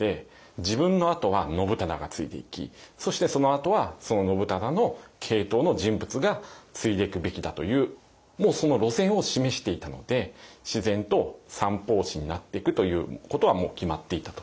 自分のあとは信忠が継いでいきそしてそのあとはその信忠の系統の人物が継いでいくべきだというもうその路線を示していたので自然と三法師になってくということはもう決まっていたと。